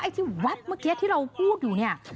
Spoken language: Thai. ที่แวบเมื่อกี้ที่เราพูดอยู่เนี่ย